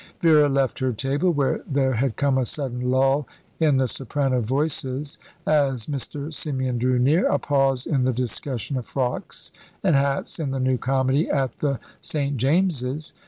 Vera left her table, where there had come a sudden lull in the soprano voices as Mr. Symeon drew near a pause in the discussion of frocks and hats in the new comedy at the St. James's.